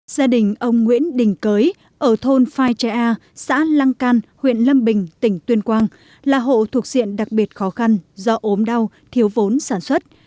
gia đình ông nguyễn đình cới ở thôn phai trẻ a xã lăng can huyện lâm bình tỉnh tuyên quang là hộ thuộc diện đặc biệt khó khăn do ốm đau thiếu vốn sản xuất